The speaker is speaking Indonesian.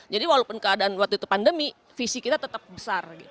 jadi walaupun keadaan waktu itu pandemi visi kita terbalik lagi jadi kita harus mengatakan